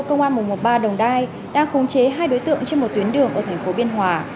công an một trăm một mươi ba đồng nai đã khống chế hai đối tượng trên một tuyến đường ở thành phố biên hòa